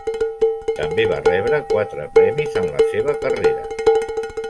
També va rebre quatre premis en la seva carrera.